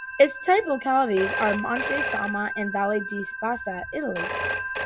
Its type localities are Monte Somma and Valle di Fassa, Italy.